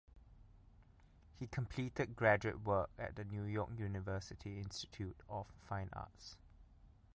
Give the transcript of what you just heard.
He completed graduate work at the New York University Institute of Fine Arts.